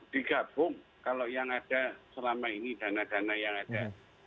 digabung kalau yang ada selama ini dana dana yang ada